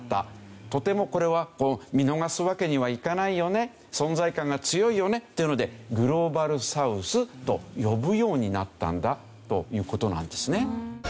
とてもこれは見逃すわけにはいかないよね存在感が強いよねっていうのでグローバルサウスと呼ぶようになったんだという事なんですね。